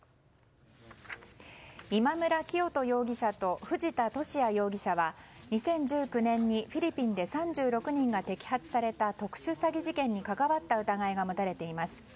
今村磨人容疑者と藤田聖也容疑者は２０１９年にフィリピンで３６人が摘発された特殊詐欺事件に関わった疑いが持たれています。